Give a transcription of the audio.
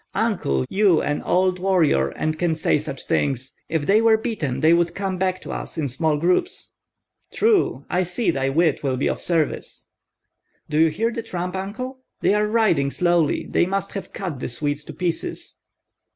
"Uncle, you an old warrior and can say such things! If they were beaten they would come back to us in small groups." "True! I see thy wit will be of service." "Do you hear the tramp, Uncle? They are riding slowly. They must have cut the Swedes to pieces."